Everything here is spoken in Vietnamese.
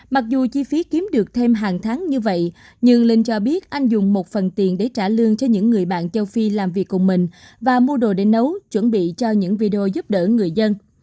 mặc dù chi phí kiếm được thêm hàng tháng như vậy nhưng linh cho biết anh dùng một phần tiền để trả lương cho những người bạn châu phi làm việc cùng mình và mua đồ đến nấu chuẩn bị cho những video giúp đỡ người dân